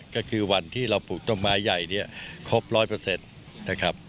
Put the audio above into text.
ก็คือวันที่เราปลูกต้นไม้ใหญ่เนี่ยครบร้อยเปอร์เซ็นต์